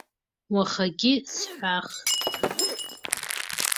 Уахагьы сҳәахт.